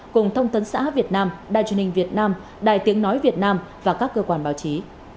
cùng thông tấn xã việt nam đài truyền hình việt nam đài tiếng nói việt nam và các cơ quan báo chí